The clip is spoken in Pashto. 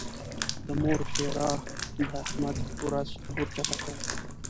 د مور ښېراوو د احمد ورځ ور چپه کړه.